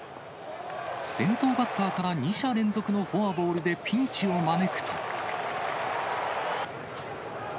先頭バッターから２者連続のフォアボールでピンチを招くと。